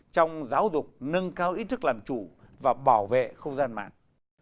trong giáo dục nâng cao ý thức làm chủ và bảo vệ không gian mạng